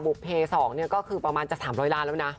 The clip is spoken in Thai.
เพ๒เนี่ยก็คือประมาณจะ๓๐๐ล้านแล้วนะ